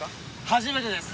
初めてです。